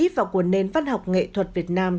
và của nền văn học nghệ thuật việt nam